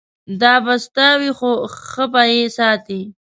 دا به ستا وي خو ښه به یې ساتې.